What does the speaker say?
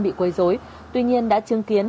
bị quây dối tuy nhiên đã chứng kiến